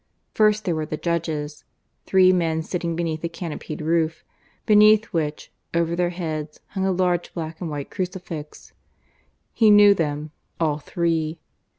First there were the judges three men sitting beneath a canopied roof, beneath which, over their heads, hung a large black and white crucifix. He knew them, all three.